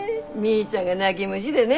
ーちゃんが泣ぎ虫でね。